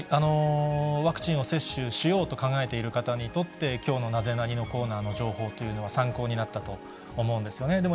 ワクチンを接種しようと考えている方にとって、きょうのナゼナニっ？のコーナーの情報というのは、参考になったと思うんですよね。